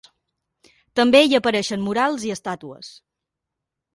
També hi apareixen murals i estàtues.